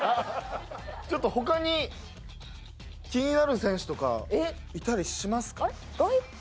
ちょっと他に気になる選手とかいたりしますか？